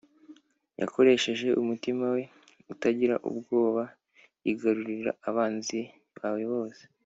yakoresheje umutima we utagira ubwoba yigarurira abanzi bawe bose